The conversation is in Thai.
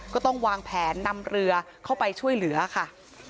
ก็ต้องวางแผนนำเรือเข้าไปช่วยเหลือค่ะ